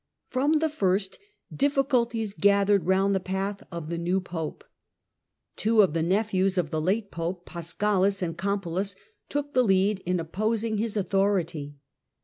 From the first, difficulties gathered round the path of the new Pope. Two of the nephews of the late Pope, Paschalis and Campulus, took the lead in opposing his authority.